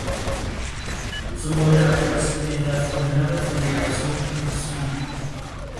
Se moverá pues en las coordenadas de elevación y azimut.